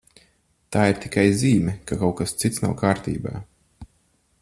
Tā ir tikai zīme, ka kaut kas cits nav kārtībā.